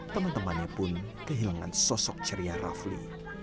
teman temannya pun kehilangan sosok ceria rafli